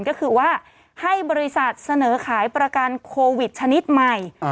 ก็คือว่าให้บริษัทเสนอขายประกันโควิดชนิดใหม่